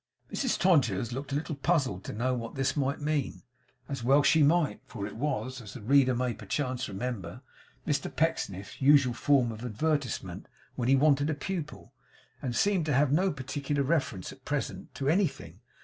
Mrs Todgers looked a little puzzled to know what this might mean, as well she might; for it was, as the reader may perchance remember, Mr Pecksniff's usual form of advertisement when he wanted a pupil; and seemed to have no particular reference, at present, to anything.